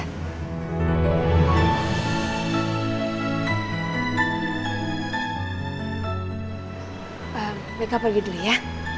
ehm mika pergi dulu ya